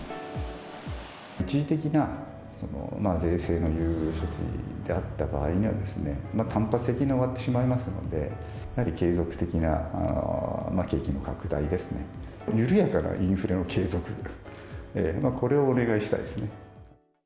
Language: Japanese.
一時的な税制の優遇措置であった場合には、単発的に終わってしまいますので、やはり継続的な景気の拡大ですね、緩やかなインフレの継続、これをお願いしたいですね。